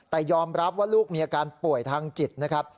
แต่ยอมรับว่าลูกมีอาการป่วยทางจิตนะครับ